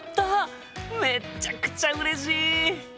めっちゃくちゃうれしい！